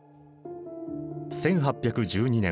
１８１２年。